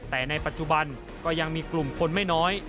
แต่ในปัจจุบันก็ยังมีกลุ่มคนไม่น้อย